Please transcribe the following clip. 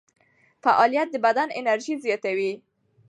فعالیت د بدن انرژي زیاتوي.